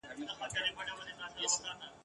زه مي هغسي ښاغلی بیرغ غواړم ..